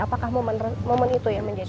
apakah momen itu yang menjadi